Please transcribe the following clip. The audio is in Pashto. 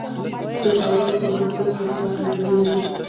پېښور پوهنتون پښتو اکاډمي لري.